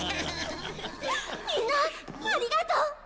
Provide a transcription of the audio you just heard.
みんなありがとう！